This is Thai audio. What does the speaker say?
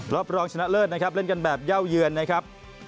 รองชนะเลิศนะครับเล่นกันแบบเย่าเยือนนะครับ